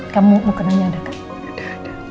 kamu mau kenangnya ada kan